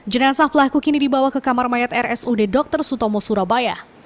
jenazah pelaku kini dibawa ke kamar mayat rsud dr sutomo surabaya